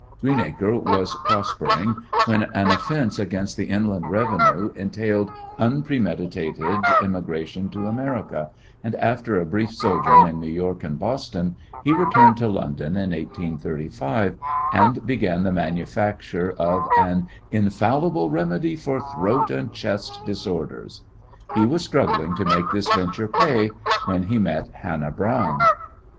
Greenacre was prospering when an offence against the inland revenue entailed unpremeditated emigration to America, and after a brief sojourn in New York and Boston he returned to London in 1835 and began the manufacture of "an infallible remedy for throat and chest disorders." He was struggling to make this venture pay when he met Hannah Browne.